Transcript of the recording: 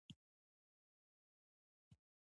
له هغو سره مو په ګډه څښاک وکړ.